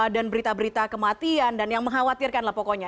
dan berita berita kematian dan yang mengkhawatirkan lah pokoknya